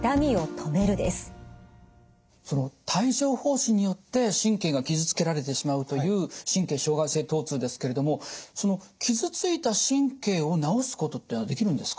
その帯状ほう疹によって神経が傷つけられてしまうという神経障害性とう痛ですけれどもその傷ついた神経を治すことっていうのはできるんですか？